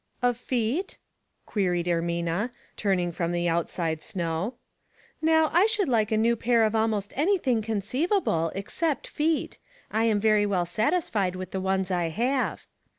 "Of feet?" queried Ermina, turning from the outside snow. " Now, I should like a new pair of almost anything conceivable, except feet; I am very well satisfied with the ones I have."